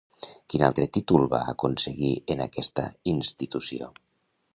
Quin altre títol va aconseguir en aquesta institució?